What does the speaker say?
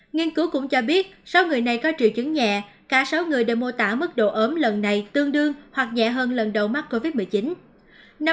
nghiên cứu cũng cho biết số người này có triệu chứng nhẹ cả sáu người đều mô tả mức độ ấm lần này tương đương hoặc nhẹ hơn lần đầu mắc covid một mươi chín